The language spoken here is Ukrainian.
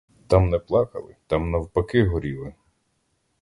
Там не плакали, там, навпаки, горіли.